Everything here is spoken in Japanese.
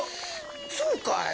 そうかい？